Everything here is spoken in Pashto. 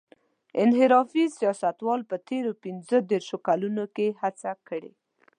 انحرافي سیاستوالو په تېرو پينځه دېرشو کلونو کې هڅه کړې.